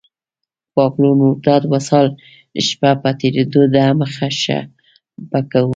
پابلو نوروداد وصال شپه په تېرېدو ده مخه شه به کوو